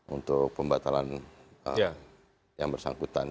untuk pembatalan yang bersangkutan